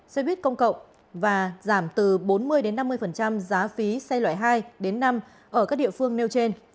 xe buýt công cộng và giảm từ bốn mươi năm mươi giá phí xe loại hai đến năm ở các địa phương nêu trên